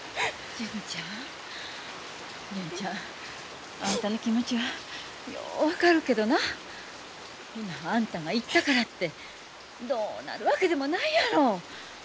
純ちゃんあんたの気持ちはよう分かるけどな今あんたが行ったからってどうなるわけでもないやろ！